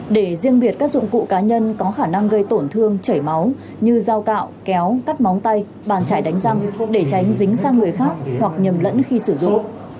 để riêng biệt các dụng cụ cá nhân có khả năng gây tổn thương chảy máu như dao cạo kéo cắt móng tay bàn chạy đánh răng để tránh dính sang người khác hoặc nhầm lẫn khi sử dụng